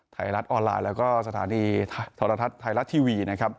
ไทรรัตน์ออนไลน์และสถานีไทรรัตทัททวี